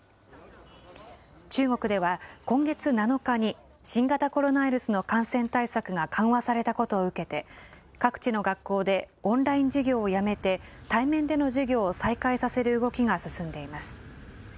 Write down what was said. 中国では、今月７日に新型コロナウイルスの感染対策が緩和されたことを受けて、各地の学校でオンライン授業をやめて、対面での授業を再開させる動きが進んでいます。